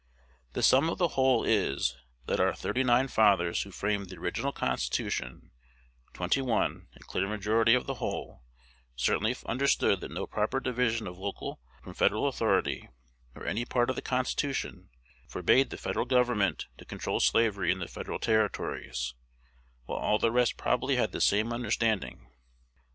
The sum of the whole is, that of our "thirty nine" fathers who framed the original Constitution, twenty one a clear majority of the whole certainly understood that no proper division of local from Federal authority, nor any part of the Constitution, forbade the Federal Government to control slavery in the Federal Territories; while all the rest probably had the same understanding.